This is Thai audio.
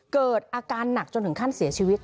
เกิดอาการหนักจนถึงขั้นเสียชีวิต